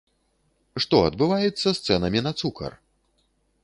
Што адбываецца з цэнамі на цукар?